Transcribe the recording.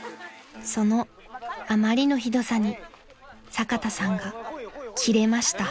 ［そのあまりのひどさに坂田さんがキレました］